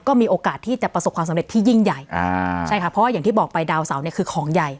ก็มีโอกาสที่จะประสบความสำเร็จที่ยิ่งใหญ่อ่าใช่ค่ะเพราะว่าอย่างที่บอกไปดาวเสาเนี่ยคือของใหญ่